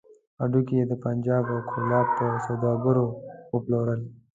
هډوکي يې د پنجاب او کولاب پر سوداګرو وپلورل.